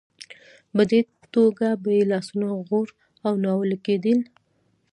په دې توګه به یې لاسونه غوړ او ناولې نه کېدل.